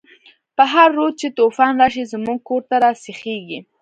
په هر رود چی توفان راشی، زمونږ کور ته راسیخیږی